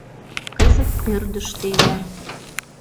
Кызыт ӧрдыжтӧ ила.